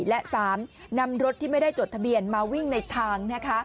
และ๓นำรถที่ไม่ได้จดทะเบียนมาวิ่งในทาง